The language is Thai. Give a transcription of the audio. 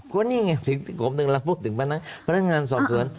ก็นี่ไงถึงผมถึงเราพูดถึงพนักงานสอบเฉิน